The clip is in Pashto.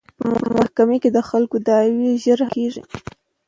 په محکمو کې د خلکو دعوې ژر حل کیږي.